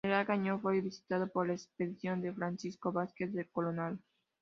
El Gran Cañón fue visitado por la expedición de Francisco Vázquez de Coronado.